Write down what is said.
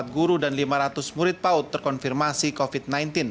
dua ratus tujuh puluh empat guru dan lima ratus murid paut terkonfirmasi covid sembilan belas